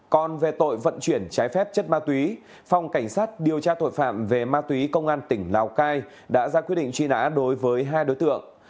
còn về tội vận chuyển trái phép chất ma túy phòng cảnh sát điều tra tội phạm về ma túy công an tỉnh lào cai đã ra quyết định truy nã đối với hai đối tượng